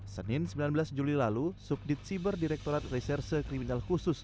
senin sembilan belas juli lalu subdit siber direkturat reserse kriminal khusus